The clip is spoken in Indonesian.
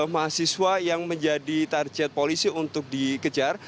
di sini ada lagi mahasiswa yang menjadi target polisi untuk dikejar